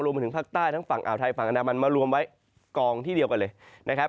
มาถึงภาคใต้ทั้งฝั่งอ่าวไทยฝั่งอนามันมารวมไว้กองที่เดียวกันเลยนะครับ